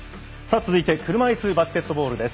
続いて車いすバスケットボールです。